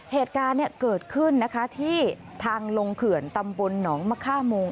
เหตุการณ์เกิดขึ้นนะคะที่ทางลงเขื่อนตำบลหนองมะค่าโมง